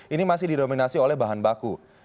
ini masih di dominasi oleh bahan baku